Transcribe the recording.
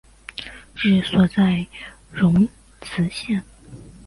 治所在荣懿县。